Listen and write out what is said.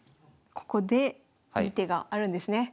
ここでいい手があるんですね。